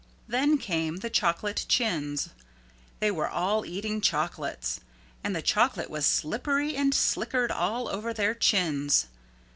Then came the Chocolate Chins. They were all eating chocolates. And the chocolate was slippery and slickered all over their chins.